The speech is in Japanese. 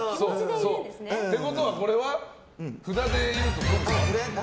ということはこれは札でいうと？